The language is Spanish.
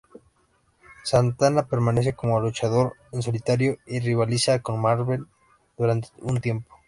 Santana permanece como luchador en solitario y rivaliza con Martel durante un tiempo.